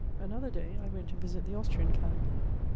Another day, I went to visit the Austrian camp.